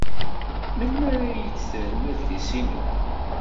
Melmi ara iyi-d-terrem adlis-inu?